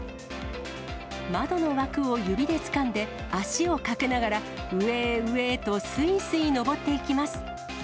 窓の枠を指でつかんで、足をかけながら、上へ上へとすいすい登っていきます。